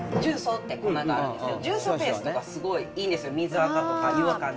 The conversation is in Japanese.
重曹って粉があるんですけど、重層ペーストがすごいいいんですよ、水あかとか湯あかに。